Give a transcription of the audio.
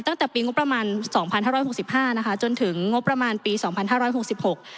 ตั้งแต่ปีงบประมาณสองพันห้าร้อยหกสิบห้านะคะจนถึงงบประมาณปีสองพันห้าร้อยหกสิบหก